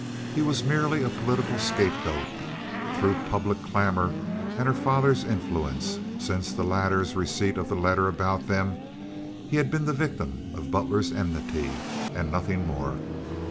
He was merely a political scapegoat through public clamor and her father's influence; since the latter's receipt of the letter about them he had been the victim of Butler's enmity, and nothing more.